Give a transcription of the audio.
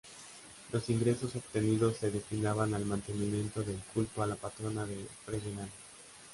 Los ingresos obtenidos se destinaban al mantenimiento del culto a la Patrona de Fregenal.